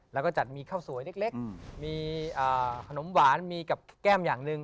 แล้วก็จัดมีที่ที่มาเข้าสวยเล็ก